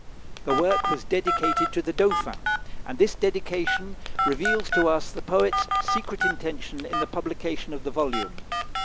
The work was dedicated to the Dauphin, and this dedication reveals to us the poet's secret intention in the publication of the volume.